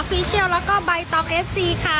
ฟีเชียลแล้วก็ใบตองเอฟซีค่ะ